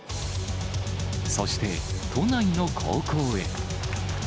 そして、都内の高校へ。